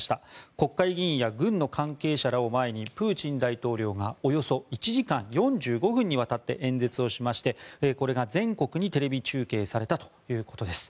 国会議員や軍の関係者らを前にプーチン大統領がおよそ１時間４５分にわたって演説をしましてこれが全国にテレビ中継されたということです。